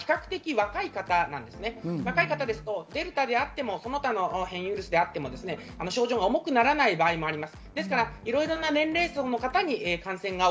若い方ですと、デルタであっても、その他の変異ウイルスであっても、症状が重くならない場合があります。